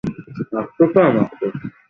হেই, আবর্জনার দল!